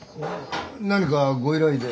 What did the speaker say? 何かご依頼で？